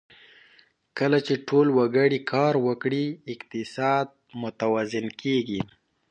کله چې ټول وګړي کار وکړي، اقتصاد متوازن کېږي.